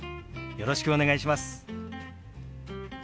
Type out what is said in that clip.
よろしくお願いします。